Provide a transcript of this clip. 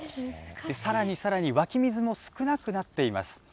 さらにさらに、湧き水も少なくなっています。